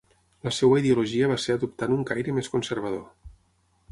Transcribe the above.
La seva ideologia va ser adoptant un caire més conservador.